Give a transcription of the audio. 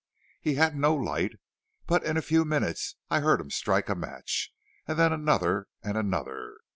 He had no light, but in a few minutes I heard him strike a match, and then another and another.